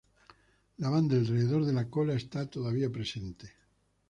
La banda alrededor de la cola está todavía presente.